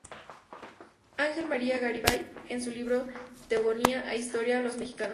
Ángel María Garibay en su libro "Teogonía e historia de los mexicanos.